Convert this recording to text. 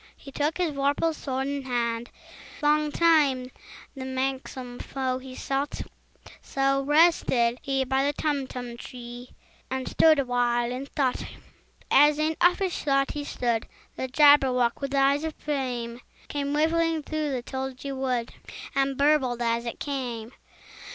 He took his vorpal sword in hand: Long time the manxome foe he sought So rested he by the Tumtum tree, And stood awhile in thought. And, as in uffish thought he stood, The Jabberwock, with eyes of flame, Came whiffling through the tulgey wood, And burbled as it came!